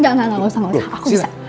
gak usah gak usah aku bisa